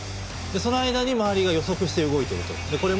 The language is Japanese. その間に周りが予測して動いている。